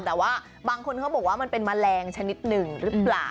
แต่ว่าบางคนเขาบอกว่ามันเป็นแมลงชนิดหนึ่งหรือเปล่า